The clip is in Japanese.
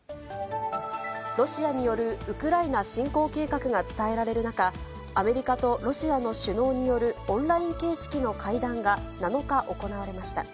ロシアによるウクライナ侵攻計画が伝えられる中、アメリカとロシアの首脳によるオンライン形式の会談が７日行われました。